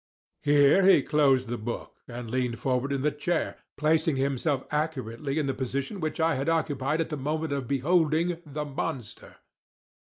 '" He here closed the book and leaned forward in the chair, placing himself accurately in the position which I had occupied at the moment of beholding "the monster."